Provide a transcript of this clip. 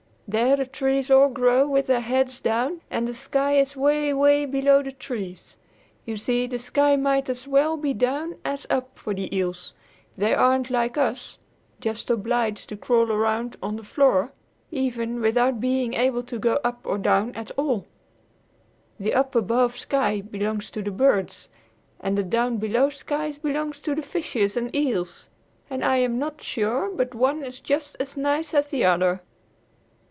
There the trees all grow with their heads down and the sky is 'way, 'way below the trees. You see the sky might as well be down as up for the eels. They aren't like us, just obliged to crawl around on the ground without ever being able to go up or down at all. The up above sky belongs to the birds and the down below sky belongs to the fishes and eels. And I am not sure but one is just as nice as the other."